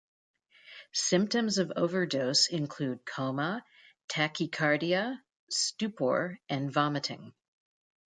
Symptoms of overdose include coma, tachycardia, stupor, and vomiting.